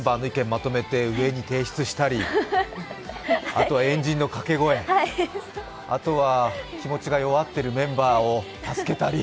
まとめて上に提出したり、円陣の掛け声、あとは気持ちが弱っているメンバーを助けたり。